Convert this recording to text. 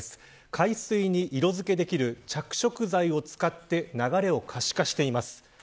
海水に色付けできる着色剤を使って流れを可視化しています。